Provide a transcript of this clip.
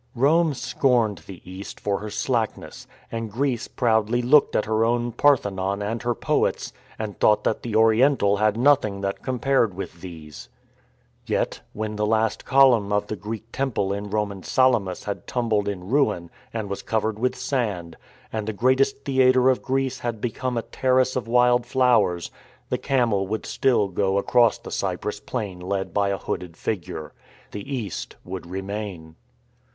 Rome scorned the East for her slackness, and Greece proudly looked at her own Parthenon and her poets and thought that the Oriental had nothing that com pared with these. Yet, when the last column of the Greek temple in Roman Salamis had tumbled in ruin and was covered with sand, and the greatest theatre of Greece has be come a terrace of wild flowers, the camel would still go across the Cyprus plain led by a hooded figure. The East would remain.